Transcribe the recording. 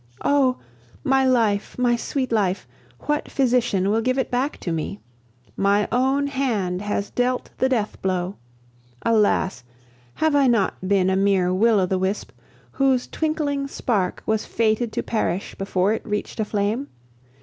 Oh! my life, my sweet life, what physician will give it back to me. My own hand has dealt the deathblow. Alas! have I not been a mere will o' the wisp, whose twinkling spark was fated to perish before it reached a flame?